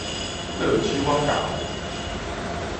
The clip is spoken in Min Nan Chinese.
倒手仔猴